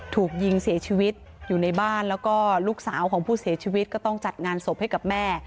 ถูกยิงเสียชีวิตอยู่ในบ้านแล้วก็ลูกสาวของผู้เสียชีวิตก็ต้องจัดงานศพให้กับแม่